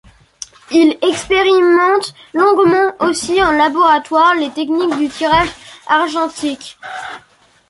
Il expérimente longuement aussi en laboratoire les techniques du tirage argentique.